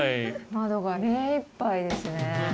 窓が目いっぱいですね。